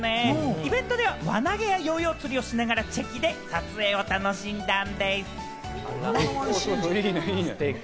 イベントでは輪投げやヨーヨー釣りをしながら、チェキで撮影を楽しんだんでぃす。